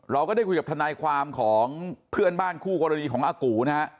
เราก็ได้คุยกับทนายความของเพื่อนบ้านคู่กรณีของอากูนะฮะ